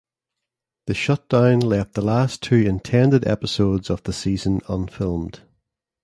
The shutdown left the last two intended episodes of the season unfilmed.